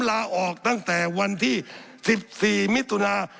สับขาหลอกกันไปสับขาหลอกกันไป